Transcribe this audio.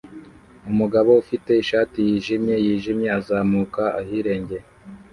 Umugabo ufite ishati yijimye yijimye azamuka ahirengeye